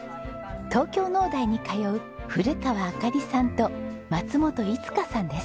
東京農大に通う古川愛花理さんと松本慈さんです。